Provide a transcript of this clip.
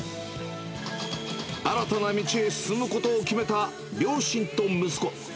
新たな道へ進むことを決めた両親と息子。